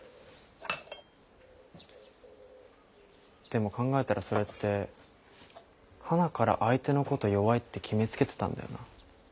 でも考えたらそれってはなから相手のこと弱いって決めつけてたんだよな。